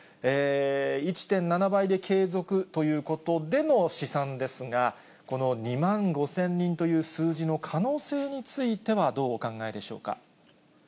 １．７倍で継続ということでの試算ですが、この２万５０００人という数字の可能性についてはどうお考えでしょうか。